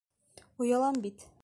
Оялам бит!